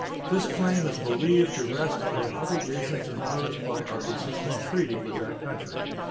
This claim is believed to rest on the obligations imposed by our existing treaty with that country.